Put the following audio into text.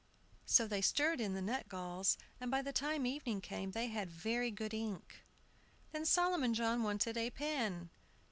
So they stirred in the nutgalls, and by the time evening came they had very good ink. Then Solomon John wanted a pen.